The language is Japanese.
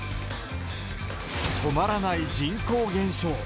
止まらない人口減少。